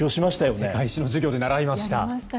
世界史の授業で習いました。